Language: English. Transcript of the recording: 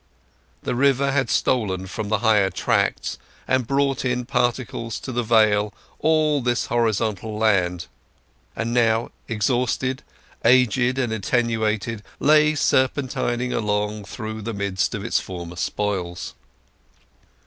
The river had stolen from the higher tracts and brought in particles to the vale all this horizontal land; and now, exhausted, aged, and attenuated, lay serpentining along through the midst of its former spoils.